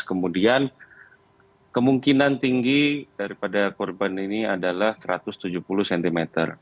kemudian kemungkinan tinggi daripada korban ini adalah satu ratus tujuh puluh cm